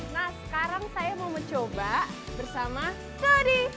nah sekarang saya mau mencoba bersama tory